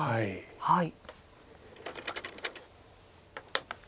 はい。